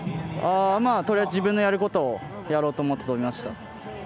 とりあえず自分のやることをやろうと思って飛びました。